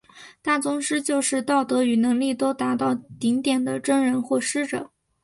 大宗师就是道德与能力都达到顶点的真人或师者。